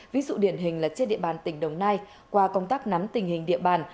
ví dụ điển hình là trên địa bàn tỉnh đồng nai qua công tác nắm tình hình địa bàn